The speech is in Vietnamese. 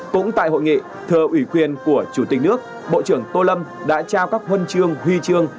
cũng tại hội nghị thờ ủy quyền của chủ tịch nước bộ trưởng tô lâm đã trao các huân chương huy chương